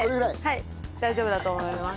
はい大丈夫だと思います。